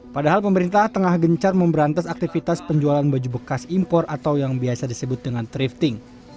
padahal pemerintah tengah gencar memberantas aktivitas penjualan baju bekas impor atau yang biasa disebut dengan thrifting